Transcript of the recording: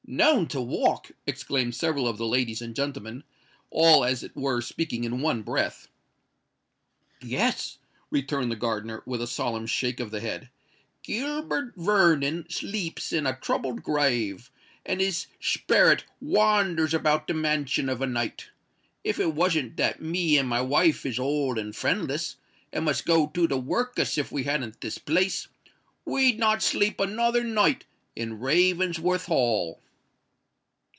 "Known to walk!" exclaimed several of the ladies and gentlemen, all as it were speaking in one breath. "Yes," returned the gardener, with a solemn shake of the head: "Gilbert Vernon sleeps in a troubled grave; and his sperret wanders about the mansion of a night. If it wasn't that me and my wife is old and friendless, and must go to the workus if we hadn't this place, we'd not sleep another night in Ravensworth Hall."